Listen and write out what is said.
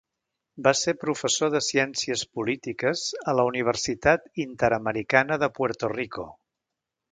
Va ser professor de Ciències Polítiques a la Universitat Interamericana de Puerto Rico.